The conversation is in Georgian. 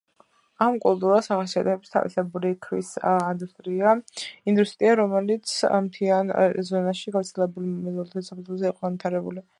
ამ კულტურას ახასიათებს თავისებური ქვის ინდუსტრია, რომელიც მთიან ზონაში გავრცელებული მეზოლითის საფუძველზე იყო განვითარებული.